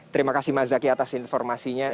terima kasih mas zaky atas informasinya